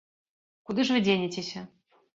Куды ж вы дзенецеся?